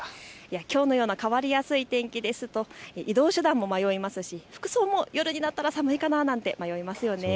きょうのような変わりやすい天気だと移動手段も迷いますし服装も夜になったら寒いかなって迷いますね。